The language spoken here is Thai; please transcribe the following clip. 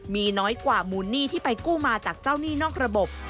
มีน้อยกว่ามูลหนี้ที่ไปกู้มาจากเจ้าหนี้นอกระบบ